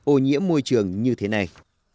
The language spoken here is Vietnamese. ô nhiễm môi trường như thế này